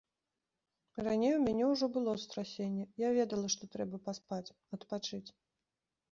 Раней у мяне ўжо было страсенне, я ведала, што трэба паспаць, адпачыць.